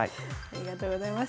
ありがとうございます。